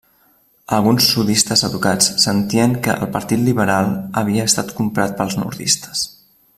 Alguns sudistes educats sentien que el Partit Liberal havia estat comprat pels nordistes.